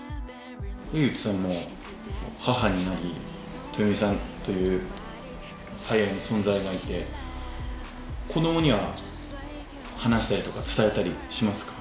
Ａｗｉｃｈさんも、母になり、鳴響美さんという最愛の存在がいて、子供には話したりとか、伝えたりしますか？